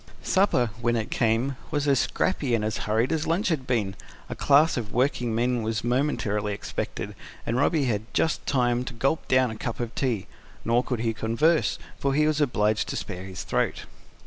Supper, when it came, was as scrappy and as hurried as lunch had been: a class of working men was momently expected, and Robby had just time to gulp down a cup of tea. Nor could he converse; for he was obliged to spare his throat.